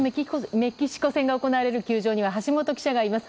メキシコ戦が行われる球場には橋本記者がいます。